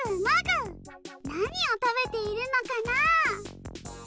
なにをたべているのかな？